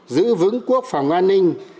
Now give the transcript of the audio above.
giữ vững quốc phòng an ninh